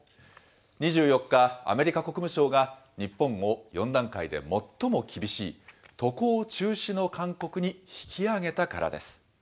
２４日、アメリカ国務省が日本を４段階で最も厳しい、渡航中止の勧告に引き上げたからです。